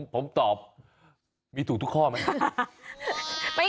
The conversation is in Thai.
ผมตอบมีถูกทุกข้อไหม